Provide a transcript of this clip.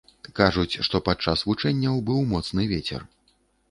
Кажуць, што падчас вучэнняў быў моцны вецер.